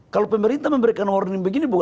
kalau pemerintah memberikan warning begini